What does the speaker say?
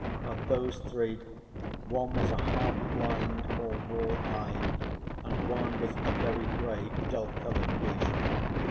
Of those three one was a half blind or wall eyed, and one was a very grey dull coloured beast.